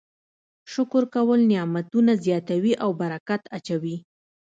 شکر کول نعمتونه زیاتوي او برکت اچوي.